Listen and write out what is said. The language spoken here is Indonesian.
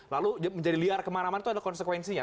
lalu menjadi liar kemana mana itu ada konsekuensinya